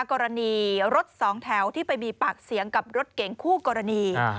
กรณีรถสองแถวที่ไปมีปากเสียงกับรถเก๋งคู่กรณี